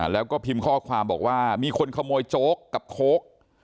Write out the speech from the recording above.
แล้วก็พิมพ์ข้อความบอกว่ามีคนขโมยโจ๊กกับโค้ก